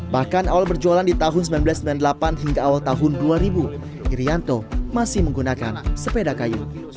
bahkan awal berjualan di tahun seribu sembilan ratus sembilan puluh delapan hingga awal tahun dua ribu irianto masih menggunakan sepeda kayu